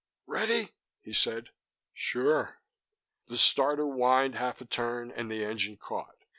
"Ready?" he said. "Sure." The starter whined half a turn and the engine caught.